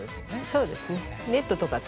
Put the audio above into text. そうですね。